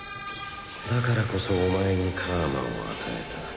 だからこそお前に楔を与えた。